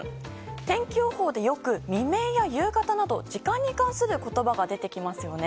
天気予報でよく未明や夕方など時間に関する言葉が出てきますよね。